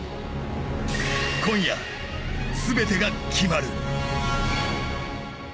今夜、全てが決まる。